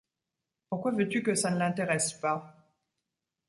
Pourquoi veux-tu que ça ne l’intéresse pas ?